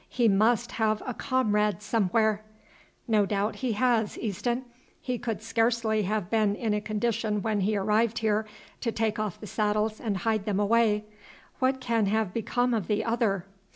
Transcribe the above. "He must have a comrade somewhere." "No doubt he has, Easton; he could scarcely have been in a condition when he arrived here to take off the saddles and hide them away. What can have become of the other?"